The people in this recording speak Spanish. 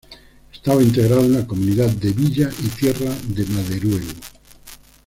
Estaba integrado en la Comunidad de Villa y Tierra de Maderuelo.